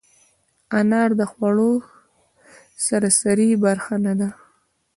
انار د خوړو سرسري برخه نه ده.